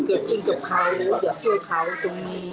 เกิดขึ้นกับเขาเกิดช่วยเขาตรงนี้